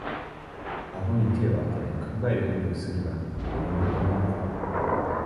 あごに手をあて考えるふりをするが何も浮かばない